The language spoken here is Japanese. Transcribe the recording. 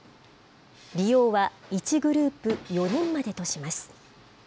利用は１グループ４人までとします。